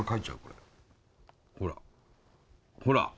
ほらほら！